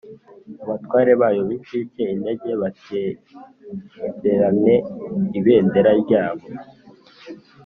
abatware bayo bacike intege, batererane ibendera ryabo.